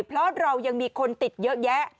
เพราะเรายังมีคนติดเยอะแยะ